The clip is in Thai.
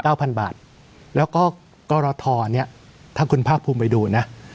พันบาทแล้วก็กรทเนี้ยถ้าคุณภาคภูมิไปดูนะ